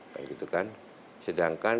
kayak gitu kan